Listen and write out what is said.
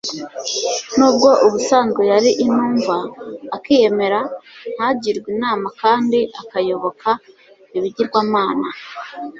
nubwo ubusanzwe yari intumva, akiyemera, ntagirwe inama kandi akayoboka ibigirwamana